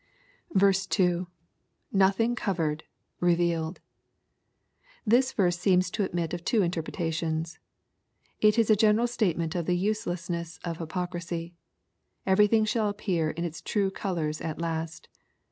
% —[Nothing covered...revedled.] This verse seems to admit of ^wo interpretations. It is a general statement of the uselessness of hypocrisy. Everything shall appear in its true colors at last.